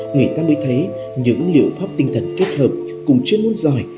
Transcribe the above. người ta mới thấy những liệu pháp tinh thần kết hợp cùng chuyên môn giỏi